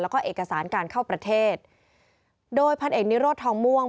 แล้วก็เอกสารการเข้าประเทศโดยพันเอกนิโรธทองม่วง